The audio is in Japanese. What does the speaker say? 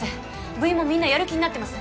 部員もみんなやる気になってます